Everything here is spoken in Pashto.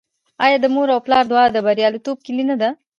آیا د مور او پلار دعا د بریالیتوب کیلي نه ده؟